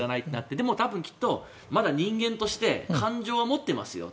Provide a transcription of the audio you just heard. でも多分、きっとまだ人間として感情は持っていますよ。